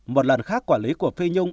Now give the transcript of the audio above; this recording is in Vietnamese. một lần khác quản lý của phi nhung